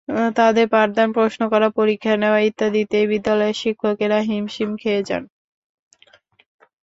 তাদের পাঠদান, প্রশ্ন করা, পরীক্ষা নেওয়া ইত্যাদিতেই বিদ্যালয়ের শিক্ষকেরা হিমশিম খেয়ে যান।